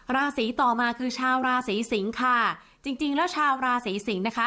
ราศีต่อมาคือชาวราศีสิงค่ะจริงจริงแล้วชาวราศีสิงศ์นะคะ